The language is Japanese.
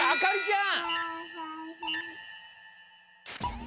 あかりちゃん。